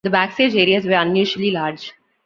The backstage areas were unusually large.